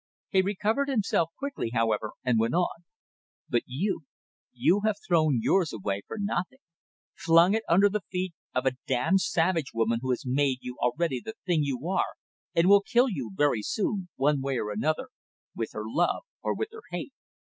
He recovered himself quickly, however, and went on: "But you you have thrown yours away for nothing; flung it under the feet of a damned savage woman who has made you already the thing you are, and will kill you very soon, one way or another, with her love or with her hate.